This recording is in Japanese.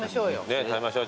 食べましょう。